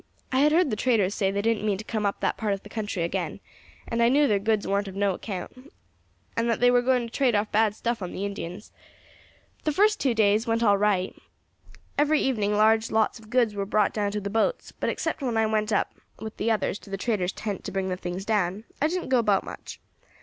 I had heard the traders say as they didn't mean to come up that part of the country agin, and I knew their goods warn't of no account, and that they were going to trade off bad stuff on the Indians. The first two days things went on all right; every evening large lots of goods were brought down to the boats, but except when I went up with the others to the traders' tent to bring the things down I didn't go about much.